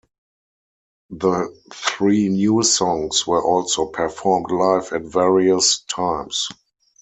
The three new songs were also performed live at various times.